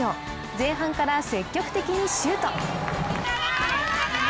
前半から積極的にシュート。